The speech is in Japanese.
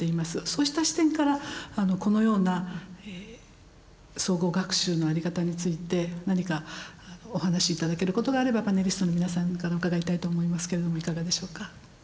そうした視点からこのような総合学習の在り方について何かお話し頂けることがあればパネリストの皆さんから伺いたいと思いますけれどもいかがでしょうか。